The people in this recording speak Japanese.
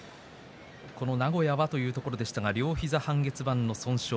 名古屋はというところでしたが両膝半月板の損傷。